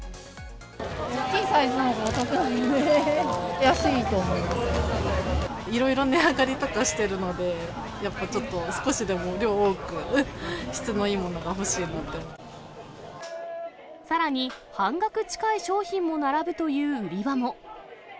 大きいサイズのほうがお得ないろいろ値上がりとかしてるので、やっぱちょっと、少しでも量多く、質のいいものが欲しいなさらに、半額近い商品も並ぶという売り場も。